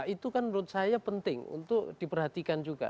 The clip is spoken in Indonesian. itu kan menurut saya penting untuk diperhatikan juga